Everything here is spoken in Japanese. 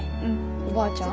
おばあちゃん？